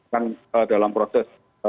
kan dalam proses